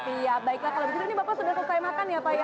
iya baiklah kalau begitu ini bapak sudah selesai makan ya pak ya